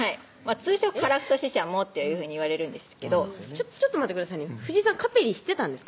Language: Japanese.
通称・樺太ししゃもっていうふうにいわれるんですけどちょっと待ってくださいね藤井さんカペリン知ってたんですか？